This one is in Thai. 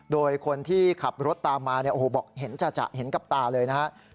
โดยคนที่ขับรถตามมาบอกเห็นจ่ะเห็นกับตาเลยนะครับ